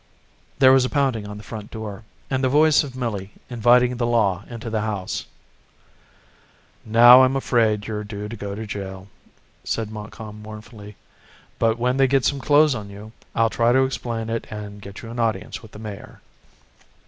There was a pounding on the front door, and the voice of Millie inviting the law into the house. "Now I'm afraid you're due to go to jail," said Montcalm mournfully. "But when they get some clothes on you, I'll try to explain it and get you an audience with the mayor."